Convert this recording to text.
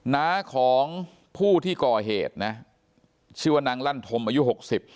น้าของผู้ที่ก่อเหตุนะชื่อว่านางลั่นธมอายุหกสิบ